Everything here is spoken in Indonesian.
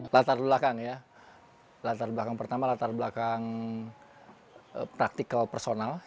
latar belakang ya latar belakang pertama latar belakang praktikal personal